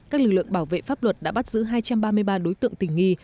các lực lượng bảo vệ pháp luật đã bắt giữ hai trăm ba mươi ba đối tượng tình nghi